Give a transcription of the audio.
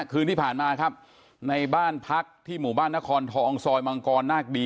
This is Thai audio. คืนที่ผ่านมาครับในบ้านพักที่หมู่บ้านนครทองซอยมังกรนาคดี